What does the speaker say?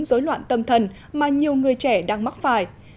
dối loạn tâm thần mà nhiều người trẻ đang mắc phải